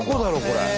これ。